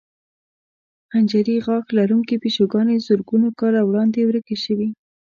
خنجري غاښ لرونکې پیشوګانې زرګونو کاله وړاندې ورکې شوې.